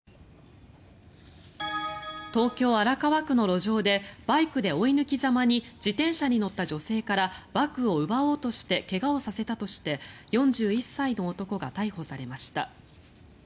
東京・荒川区の路上でバイクで追い抜きざまに自転車に乗った女性からバッグを奪おうとして怪我をさせたとして４１歳の男が逮捕されました。